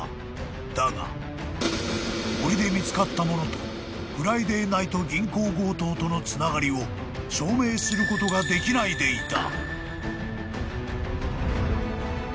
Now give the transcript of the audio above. ［だが森で見つかったものとフライデーナイト銀行強盗とのつながりを証明することができないでいた］